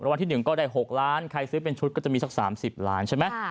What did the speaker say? วันที่๑ก็ได้๖ล้านใครซื้อเป็นชุดก็จะมีสัก๓๐ล้านใช่ไหม